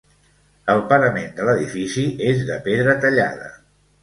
El parament de l'edifici és de pedra tallada.